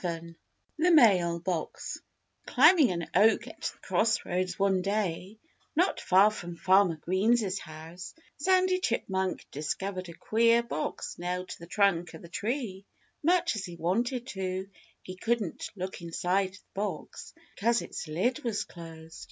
XI THE MAIL BOX Climbing an oak at the cross roads one day, not far from Farmer Green's house, Sandy Chipmunk discovered a queer box nailed to the trunk of the tree. Much as he wanted to, he couldn't look inside the box, because its lid was closed.